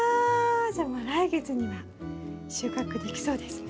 じゃあもう来月には収穫できそうですね。